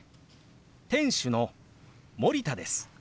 店主の森田です。